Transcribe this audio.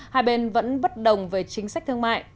hai bên vẫn bất đồng về chính sách thương mại